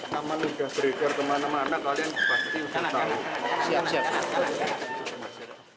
kapan sudah berikir kemana mana kalian pasti sudah tahu